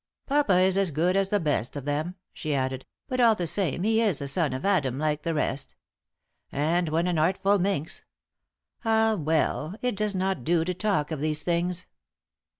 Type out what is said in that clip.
"Papa is as good as the best of them," she added, "but all the same, he is a son of Adam, like the rest. And when an artful minx Ah, well, it does not do to talk of these things."